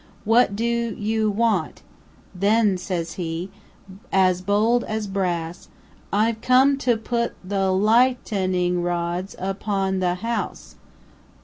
What do you want?' Then says he, as bold as brass, 'I've come to put the light en ing rods upon the house.